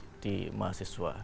itu tidak ada di mahasiswa di kampus